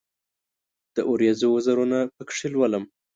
د اوریځو وزرونه پکښې لولم